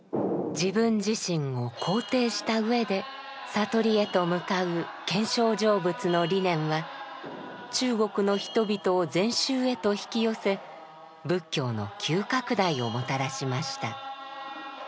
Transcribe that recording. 自分自身を肯定したうえで悟りへと向かう見性成仏の理念は中国の人々を禅宗へと引き寄せ仏教の急拡大をもたらしました。